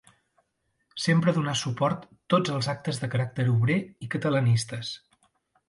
Sempre donà suport tots els actes de caràcter obrer i catalanistes.